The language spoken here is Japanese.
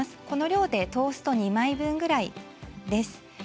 この量でトースト２枚分くらいです。